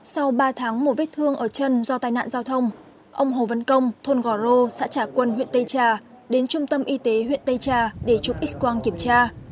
sau ba tháng một vết thương ở chân do tai nạn giao thông ông hồ văn công thôn gò rô xã trà quân huyện tây trà đến trung tâm y tế huyện tây trà để trục x quang kiểm tra